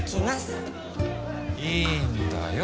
いいんだよ